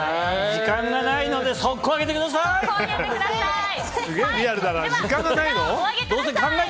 時間がないので速攻上げてください！